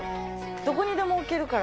どこにでも置けるから。